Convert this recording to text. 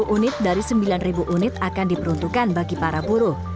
sepuluh unit dari sembilan unit akan diperuntukkan bagi para buruh